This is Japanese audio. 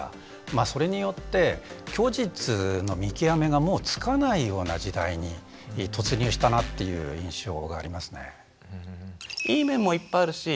それによって虚実の見極めがもうつかないような時代に突入したなという印象がありますね。